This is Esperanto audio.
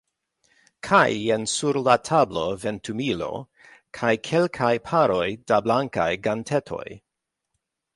Kaj jen sur la tablo ventumilo kaj kelkaj paroj da blankaj gantetoj.